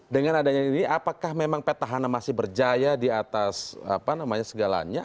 dengan adanya ini apakah memang petahana masih berjaya di atas segalanya